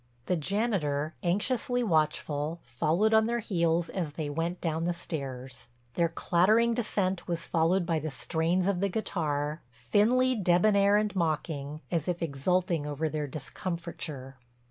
The janitor, anxiously watchful, followed on their heels as they went down the stairs. Their clattering descent was followed by the strains of the guitar, thinly debonair and mocking as if exulting over their discomfiture.